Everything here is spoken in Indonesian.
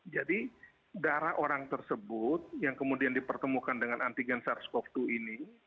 jadi darah orang tersebut yang kemudian dipertemukan dengan antigen sars cov dua ini